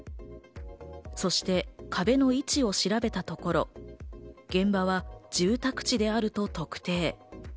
そして壁の位置を調べたところ現場は住宅地であると特定。